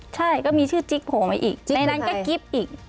ใช่ก็มีชื่อจิ๊กโผล่มาอีกในนั้นก็กิ๊บอีก